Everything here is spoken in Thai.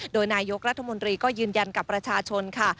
โดยนายกรัฐมนตรีก็ยืนยันกับประชาชนค่ะ